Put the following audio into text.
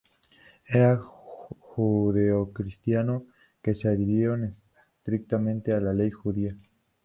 Eran judeocristianos, que se adhirieron estrictamente a la ley judía.